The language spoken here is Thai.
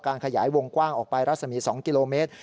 ขยายวงกว้างออกไปรัศมี๒กิโลเมตร